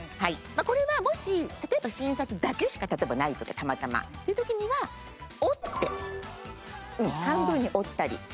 これはもし例えば新札だけしか例えばないとかたまたまっていう時には折って半分に折ったり。